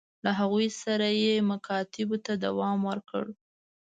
له هغوی سره یې مکاتبو ته دوام ورکړ.